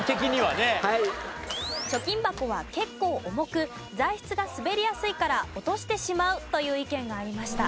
貯金箱は結構重く材質が滑りやすいから落としてしまうという意見がありました。